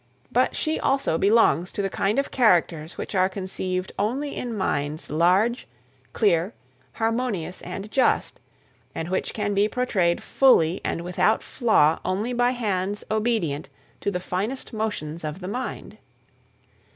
But she also belongs to the kind of characters which are conceived only in minds large, clear, harmonious and just, and which can be portrayed fully and without flaw only by hands obedient to the finest motions of the mind.